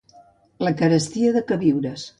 La carestia de queviures